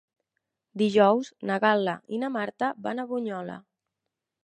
Dijous na Gal·la i na Marta van a Bunyola.